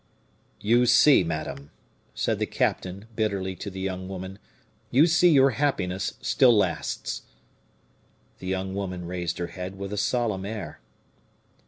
"You see, madame," said the captain bitterly to the young woman, "you see your happiness still lasts." The young woman raised her head with a solemn air.